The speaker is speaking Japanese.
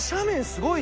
すごい。